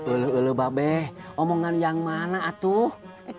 ulu ulu mbak be omongan yang mana atuh